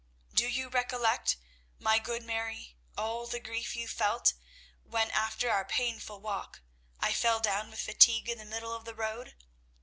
Do you recollect, my good Mary, all the grief you felt when, after our painful walk, I fell down with fatigue in the middle of the road?